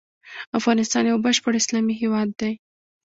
افغانستان يو بشپړ اسلامي هيواد دی.